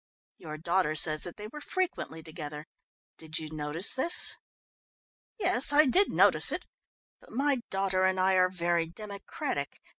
"Your daughter says that they were frequently together. Did you notice this?" "Yes, I did notice it, but my daughter and I are very democratic.